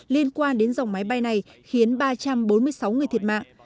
liên quan đến dòng máy bay này khiến ba trăm bốn mươi sáu người thiệt mạng